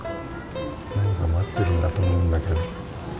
何か待ってるんだと思うんだけど。